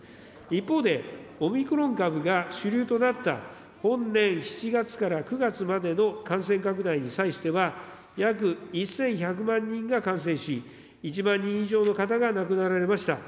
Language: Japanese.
一方で、オミクロン株が主流となった本年７月から９月までの感染拡大に際しては、約１１００万人が感染し、１万人以上の方が亡くなられました。